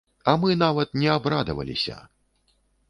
А мы нават не абрадаваліся!